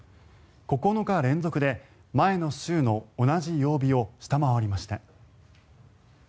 ９日連続で前の週の同じ曜日を下回りました。